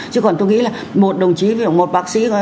chứ còn tôi nghĩ là một đồng chí một bác sĩ